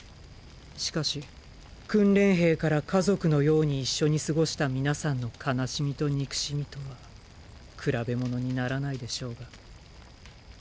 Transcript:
しかし訓練兵から家族のように一緒に過ごした皆さんの悲しみと憎しみとは比べ物にならないでしょうが。